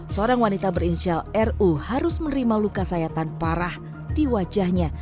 seorang wanita berinisial ru harus menerima luka sayatan parah di wajahnya